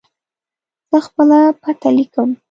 زه خپله پته لیکم.